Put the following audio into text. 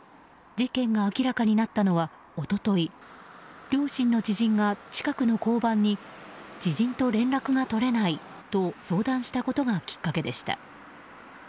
事件が明らかになったのは一昨日両親の知人が近くの交番に知人と連絡が取れないと相談したことがきっかけでした。